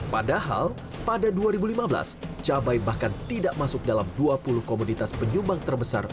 padahal pada dua ribu lima belas cabai bahkan tidak masuk dalam dua puluh komoditas penyumbang terbesar